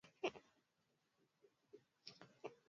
mara zisizohesabika Ama kwa hakika ujio wa Obama